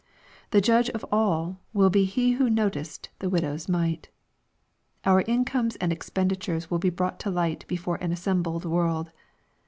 The " Judge of all" will be He who noticed the widow's mite. Our in comes and expenditures ^jrilL be^ brought to light before an assembled world.